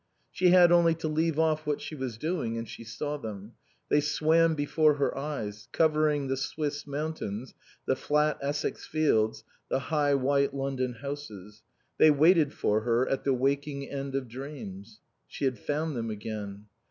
She had only to leave off what she was doing and she saw them; they swam before her eyes, covering the Swiss mountains, the flat Essex fields, the high white London houses. They waited for her at the waking end of dreams. She had found them again.